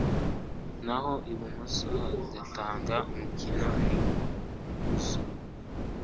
naho ibumoso hagatanga umukiro n'ikuzo